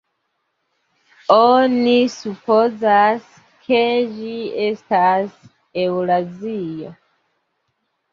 Oni supozas, ke ĝi estas Eŭrazio.